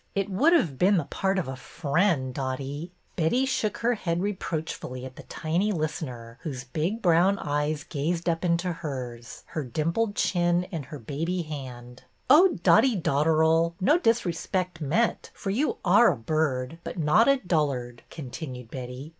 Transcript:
It would have been the part of a friend, Dotty." 64 BETTY BAIRD'S VENTURES Betty shook her head reproachfully at the tiny listener, whose big brown eyes gazed up into hers, her dimpled chin in her baby hand. '' Oh, Dotty Dotteral ! No disrespect meant, for you are a bird, but not a dullard," continued Betty.